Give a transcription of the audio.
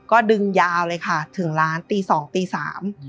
ก็ดึงยาวเลยค่ะถึงร้านตีสองตีสาม